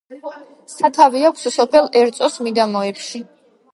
სათავე აქვს სოფელ ერწოს მიდამოებში.